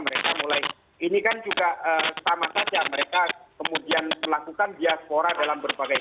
mereka mulai ini kan juga sama saja mereka kemudian melakukan diaspora dalam berbagai